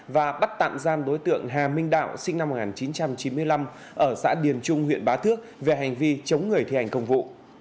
và bắt tạm giam đối tượng hà minh đạo sinh năm một nghìn chín trăm chín mươi năm ở xã điền trung huyện bá thước về hành vi chống người thi hành công vụ